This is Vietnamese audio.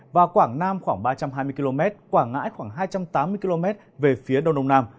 và quảng nam khoảng ba trăm hai mươi km quảng ngãi khoảng hai trăm tám mươi km về phía đông đông nam